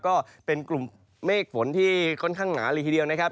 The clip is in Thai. ก็เป็นกลุ่มเมฆฝนที่ค่อนข้างหนาเลยทีเดียวนะครับ